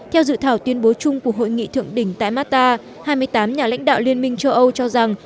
theo dự thảo tuyên bố chung của hội nghị thượng đỉnh tại mata hai mươi tám nhà lãnh đạo liên minh châu âu cho rằng